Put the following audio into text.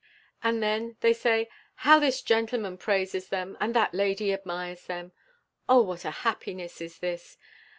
And then they say, "How this gentleman praises them, and that lady admires them." O what a happiness is this!